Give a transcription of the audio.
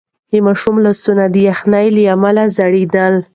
د ماشوم لاسونه د یخنۍ له امله لړزېدل.